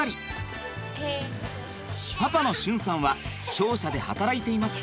パパの俊さんは商社で働いています。